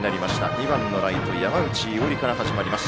２番のライト、山内伊織から始まります